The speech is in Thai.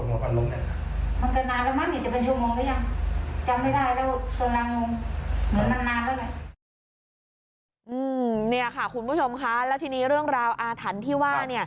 นี่ค่ะคุณผู้ชมคะแล้วทีนี้เรื่องราวอาถรรพ์ที่ว่า